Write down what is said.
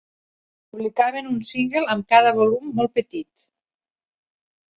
Publicaven un single amb cada volum molt petit.